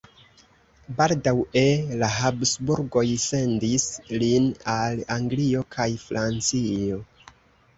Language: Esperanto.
Baldaŭe la Habsburgoj sendis lin al Anglio kaj Francio.